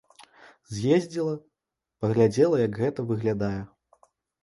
З'ездзіла, паглядзела, як гэта выглядае.